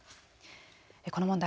この問題